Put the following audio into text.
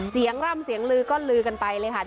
ร่ำเสียงลือก็ลือกันไปเลยค่ะ